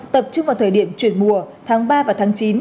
tập trung vào thời điểm chuyển mùa tháng ba và tháng chín